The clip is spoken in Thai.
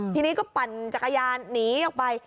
ทีนี้ก็ปั่นจักรยานหนีออกไป